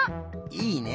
いいね。